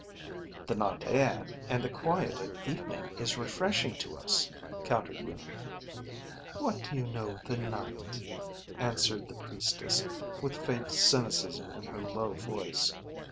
"The night air and the quiet of evening is refreshing to us," countered Iimmi. "What do you know of the night," answered the priestess with faint cynicism in her low voice.